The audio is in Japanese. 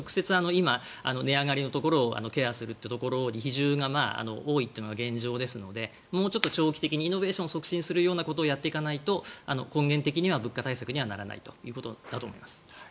今、値上がりのところをケアするというところに比重が多いというのが現状ですのでもうちょっと長期的にイノベーションを促進するようなことをやっていかないと根源的には物価対策にならないと思います。